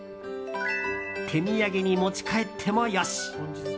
手土産に持ち帰ってもよし。